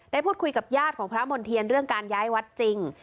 ได้พูดคุยกับญาติของพระมณ์เทียนเรื่องการย้ายวัดจริง